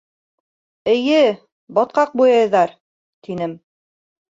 — Эйе, батҡаҡ буяйҙар, — тинем.